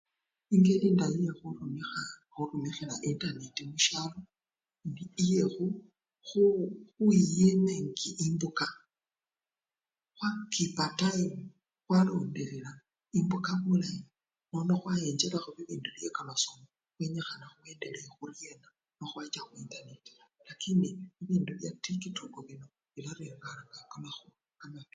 Engeli endayi yekhurumikha yekhurumikhila intanenti mushalo indi iye khu! yi! ye! khuyima embuka khwakipa tayimu khwalondelela embuka bulayi nono khwayenjelakho bibindu byekamasomo kenyikhana khuendelee khuryena nekhwacha intanenti yino lakini bibindu byatikitoko bino birareranga kamakhuwa mungo.